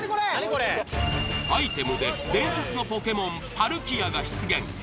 アイテムで伝説のポケモンパルキアが出現。